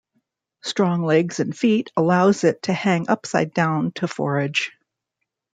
Strong legs and feet allows it to hang upside down to forage.